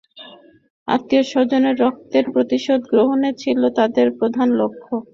আত্মীয়-স্বজনের রক্তের প্রতিশোধ গ্রহণই ছিল তাদের প্রধান লক্ষ্য।